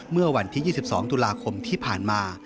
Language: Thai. เมื่อวันที่๒๒ตุลาคมที่ผ่านมา